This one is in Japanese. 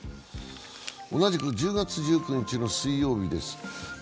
同じく１０月１９日の水曜日です。